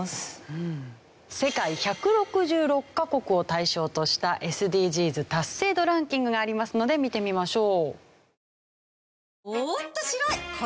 世界１６６カ国を対象としたＳＤＧｓ達成度ランキングがありますので見てみましょう。